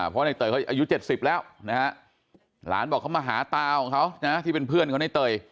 เพราะในเตยเขาอายุ๗๐แล้วนะฮะหลานบอกเขามาหาตาของเขานะที่เป็นเพื่อนเขาในเตย